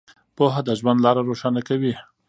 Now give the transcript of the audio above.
پوهه د ژوند لاره روښانه کوي.